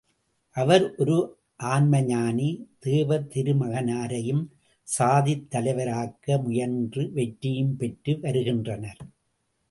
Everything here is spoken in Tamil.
அவர் ஒர் ஆன்ம ஞானி தேவர் திருமகனாரையும் சாதித்தலைவர் ஆக்க முயன்று வெற்றியும் பெற்று வருகின்றனர்.